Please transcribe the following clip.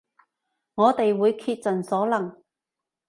我哋會竭盡所能